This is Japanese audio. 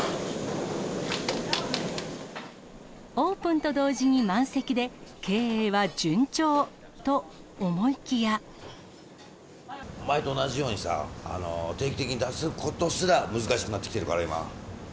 オープンと同時に満席で、前と同じようにさ、定期的に出すことすら難しくなってきているから、今。